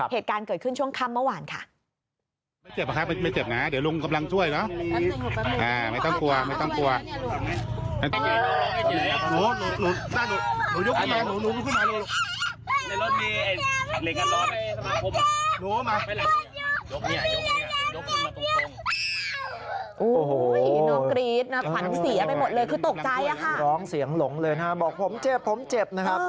เหตุการณ์เกิดขึ้นช่วงค่ำเมื่อวานค่ะ